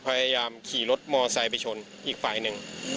พยายามขี่รถมอไซค์ไปชนอีกฝ่ายหนึ่ง